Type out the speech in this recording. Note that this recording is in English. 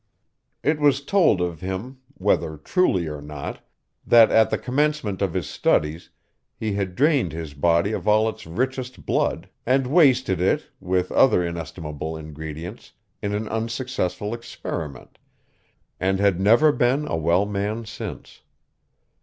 It was told of him, whether truly or not, that, at the commencement of his studies, he had drained his body of all its richest blood, and wasted it, with other inestimable ingredients, in an unsuccessful experiment and had never been a well man since.